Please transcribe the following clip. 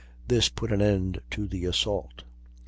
This put an end to the assault.